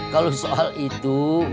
kalau soal itu